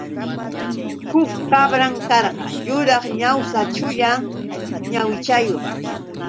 Huk kabran karqa yuraq ñawsa chullan ñawichayuq.